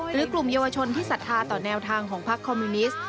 หรือกลุ่มเยาวชนที่ศรัทธาต่อแนวทางของพักคอมมิวนิสต์